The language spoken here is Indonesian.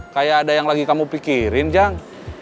kayak ada yang lagi kamu pikirin jang